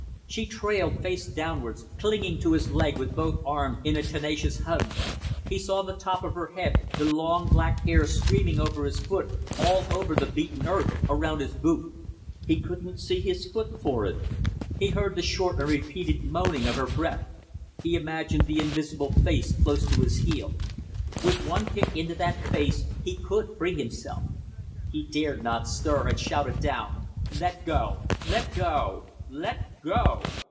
She trailed face downwards, clinging to his leg with both arms in a tenacious hug. He saw the top of her head, the long black hair streaming over his foot, all over the beaten earth, around his boot. He couldn't see his foot for it. He heard the short and repeated moaning of her breath. He imagined the invisible face close to his heel. With one kick into that face he could free himself. He dared not stir, and shouted down "Let go! Let go! Let go!"